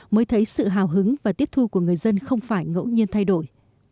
mới thấy sự hào hứng và tiết thu của người dân không phải ngẫu nhiên thay đổi